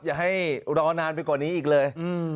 อย่าให้รอนานไปกว่านี้อีกเลย